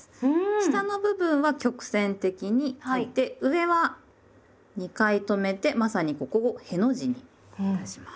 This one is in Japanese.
下の部分は曲線的に書いて上は２回止めてまさにここを「への字」にいたします。